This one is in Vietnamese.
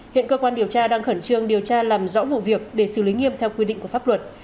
hiện cơ quan điều tra đang khẩn trương điều tra làm rõ vụ việc để xử lý nghiêm theo quy định của pháp luật